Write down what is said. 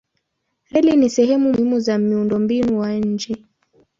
Reli ni sehemu muhimu za miundombinu wa nchi.